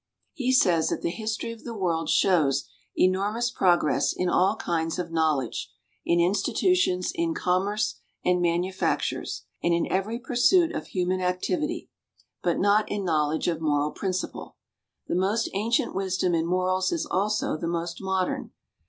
He says that the history of the world shows enormous progress in all kinds of knowledge, in institutions, in commerce and manufactures, and in every pursuit of human activity, but not in knowledge of moral principle. The most ancient wisdom in morals is also the most modern.